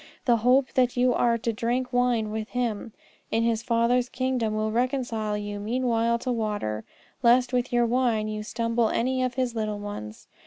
The hope that you are to drink wine with Him in His Father's kingdom will reconcile you meanwhile to water, lest with your wine you stumble any of His little ones.